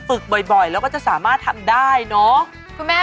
ฝึกบ่อยแล้วก็จะสามารถทำได้เนอะ